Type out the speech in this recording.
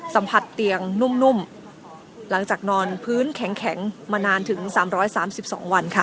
สัมผัสเตียงนุ่มนุ่มหลังจากนอนพื้นแข็งแข็งมานานถึงสามร้อยสามสิบสองวันค่ะ